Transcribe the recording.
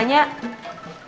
bikin kopi buat kangmus